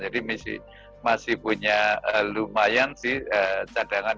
jadi masih punya lumayan cadangan